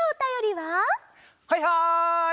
はいはい！